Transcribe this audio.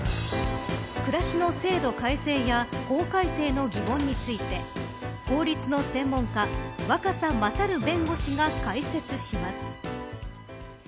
暮らしの制度改正や法改正の疑問について法律の専門家若狭勝弁護士が解説します。